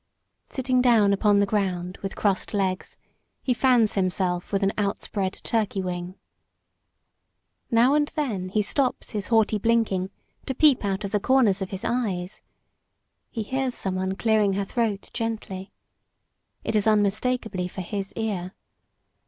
Sitting down upon the ground with crossed legs, he fans himself with an outspread turkey wing. Now and then he stops his haughty blinking to peep out of the corners of his eyes. He hears some one clearing her throat gently. It is unmistakably for his ear.